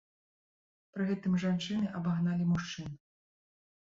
Пры гэтым жанчыны абагналі мужчын.